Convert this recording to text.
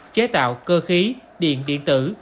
chế tạo cơ khí điện điện tử